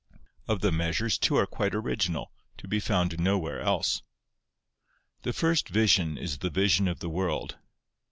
Of the measures, two are quite original, to be found nowhere else. The first vision is the Vision of the World.